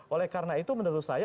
oleh karena itu menurut saya